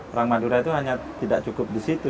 orang madura itu hanya tidak cukup di situ